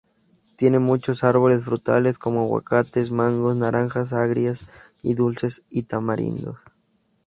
Tiene muchos árboles frutales, como aguacates, mangos, naranjas agrias y dulces y tamarindos.